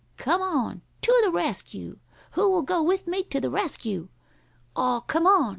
Come on! To the rescue! Who will go with me to the rescue? Aw, come on!